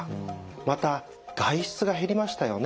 また外出が減りましたよね？